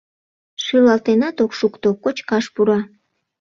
Шӱлалтенат ок шукто, кочкаш пура.